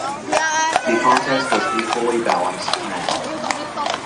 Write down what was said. The contest was equally balanced now.